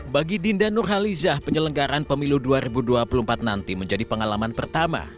bagi dinda nurhalizah penyelenggaran pemilu dua ribu dua puluh empat nanti menjadi pengalaman pertama